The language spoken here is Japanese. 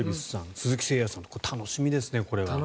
鈴木誠也さんと楽しみですね。